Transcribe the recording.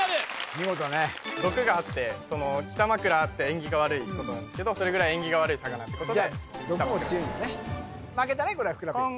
見事ね毒があって「北枕」って縁起が悪いことなんですけどそれぐらい縁起が悪い魚ってことでキタマクラと呼ばれてます